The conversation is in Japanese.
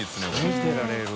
見てられる。